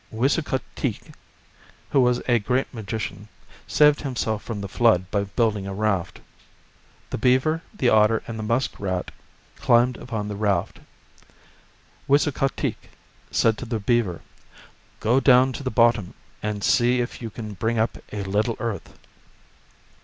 Wisukateak, who was a great magician, saved himself from the flood by building a raft. The beaver, the otter and the musk rat climbed upon the raft. Wisukateak said to the beaver, "Go down to the bottom and see if you can bring up a little earth."